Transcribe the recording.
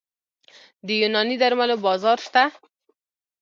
د یوناني درملو بازار شته؟